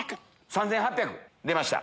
３８００出ました！